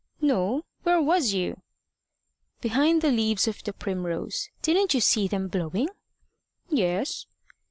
"No. Where was you?" "Behind the leaves of the primrose. Didn't you see them blowing?" "Yes."